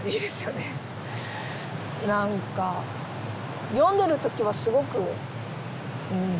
何か読んでる時はすごくうん。